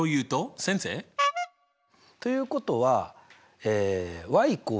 先生？ということは＝